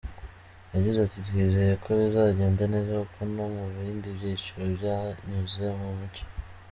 Yagize ati “Twizeye ko bizagenda neza kuko no mu bindi byiciro byanyuze mu mucyo.